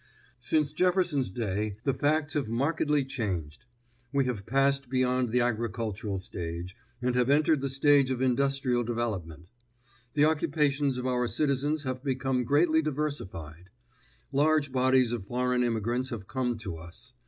Since Jefferson's day the facts have markedly changed. We have passed beyond the agricultural stage, and have entered the stage of industrial development. The occupations of our citizens have become greatly diversified. Large bodies of foreign immigrants have come to us.